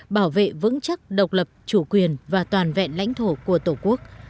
bảo vệ vững chắc độc lập chủ quyền và toàn vẹn lãnh thổ của tổ quốc